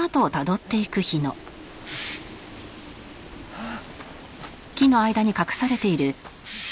ああ。